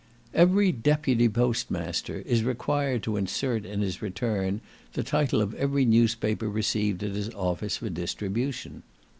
Every Deputy Post Master is required to insert in his return the title of every newspaper received at his office for distribution.